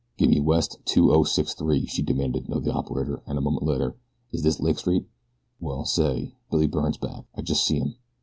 "Gimme West 2063," she demanded of the operator, and a moment later: "Is this Lake Street?" "Well say, Billy Byrne's back. I just see him."